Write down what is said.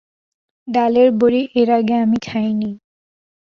ডালের বড়ি এর আগে আমি খাই নি!